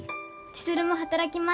千鶴も働きます。